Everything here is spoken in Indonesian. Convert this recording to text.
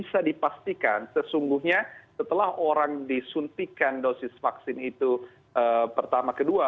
tapi kalau itu bisa dipastikan sesungguhnya setelah orang disuntikan dosis vaksin itu pertama ke dua